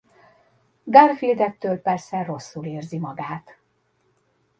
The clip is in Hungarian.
Garfield ettől persze rosszul érzi magát.